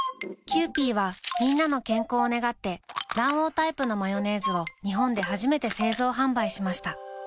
キユーピーはみんなの健康を願って卵黄タイプのマヨネーズを日本で初めて製造販売しました。